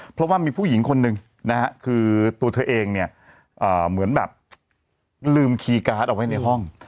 เพราะว่ามีผู้หญิงคนหนึ่งนะฮะคือตัวเธอเองเนี่ยเหมือนแบบลืมคีย์การ์ดเอาไว้ในห้อง